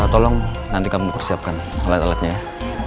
tolong nanti kamu persiapkan alat alatnya